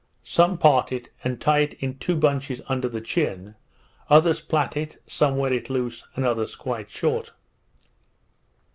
Some part it, and tie it in two bunches under the chin, others plait it, some wear it loose, and others quite short.